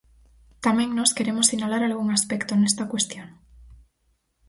Tamén nós queremos sinalar algún aspecto nesta cuestión.